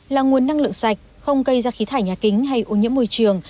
là nguồn năng lượng sạch không gây ra khí thải nhà kính hay ô nhiễm môi trường